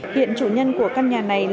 hiện chủ nhân của căn nhà này là người chủ nhà